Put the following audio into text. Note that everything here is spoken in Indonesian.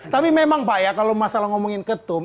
tapi memang pak ya kalau masalah ngomongin ketum